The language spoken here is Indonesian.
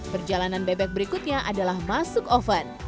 perjalanan bebek berikutnya adalah masuk oven